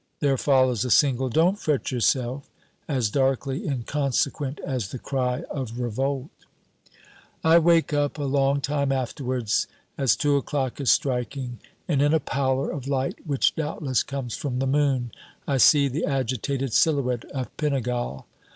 There follows a single, "Don't fret yourself!" as darkly inconsequent as the cry of revolt. I wake up a long time afterwards, as two o'clock is striking; and in a pallor of light which doubtless comes from the moon, I see the agitated silhouette of Pinegal.